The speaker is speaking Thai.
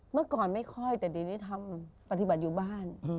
เมื่อก่อนไม่ค่อยแต่ดีนี้ทำปฏิบัติอยู่บ้าน